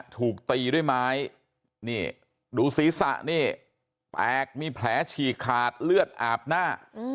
ถูกตีด้วยไม้นี่ดูศีรษะนี่แตกมีแผลฉีกขาดเลือดอาบหน้า